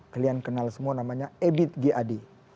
kalian kenal semua namanya ebit g adi